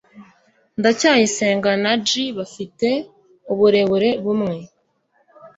ndacyayisenga na j bafite uburebure bumwe